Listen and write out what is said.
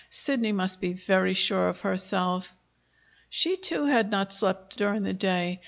Sidney must be very sure of herself. She, too, had not slept during the day.